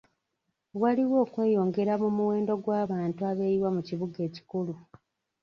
Waliwo okweyongera mu muwendo gw'abantu abeeyiwa mu kibuga ekikulu.